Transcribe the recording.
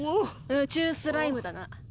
宇宙スライムだな。